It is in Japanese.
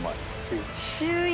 １１。